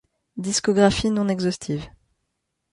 Discographie non exhaustive.